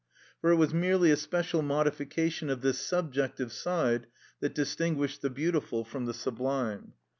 For it was merely a special modification of this subjective side that distinguished the beautiful from the sublime.